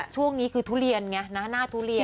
ช่วงนี้คือทุเรียนไงหน้าทุเรียน